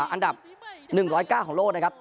อันดับ๑๐๙ของโลกนะครับ